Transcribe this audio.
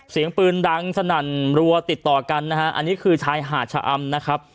เสียงปืนดังสนั่นรัวติดต่อกันนะฮะอันนี้คือชายหาดชะอำนะครับ